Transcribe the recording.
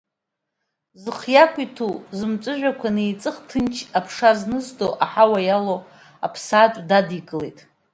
Зых иақәиҭу, зымҵәыжәҩақәа неиҵых ҭынч аԥша зындо, аҳауа иалоу аԥсаатә дадикылеит.